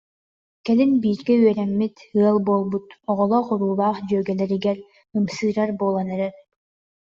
Кэлин бииргэ үөрэммит, ыал буолбут, оҕолоох-уруулаах дьүөгэлэригэр ымсыырар буолан эрэр